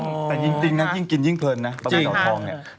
แต่ยิ่งจริงเนอะยิ่งกินยิ่งเพิ่งเนอะปลาหมึกเหล่าทองเนี่ย